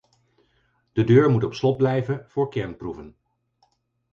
De deur moet op slot blijven voor kernproeven.